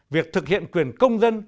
việc thực hiện quyền công dân